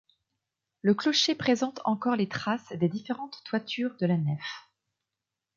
Le clocher présente encore les traces des différentes toitures de la nef.